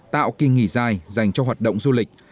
tạo kỳ nghỉ dài dành cho hoạt động du lịch